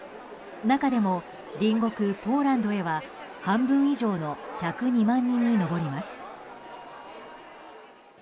中でも隣国ポーランドへは半分以上の１０２万人に上ります。